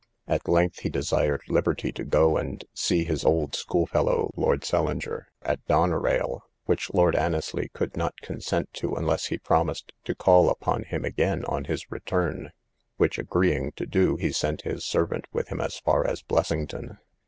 At length he desired liberty to go and see his old school fellow, Lord St. Leger, at Donnerail, which Lord Annesly would not consent to, unless he promised to call upon him again on his return; which agreeing to do, he sent his servant with him as far as Blessington.